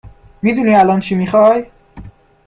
میدونی الان چی میخوای